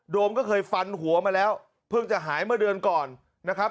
ก็เคยฟันหัวมาแล้วเพิ่งจะหายเมื่อเดือนก่อนนะครับ